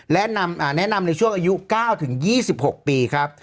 และแนะนำในช่วงอายุ๙๒๖ปีครับ